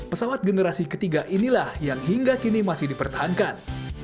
pesawat generasi ketiga inilah yang hingga kini masih dipertahankan